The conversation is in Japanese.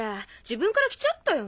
自分から来ちゃったよ。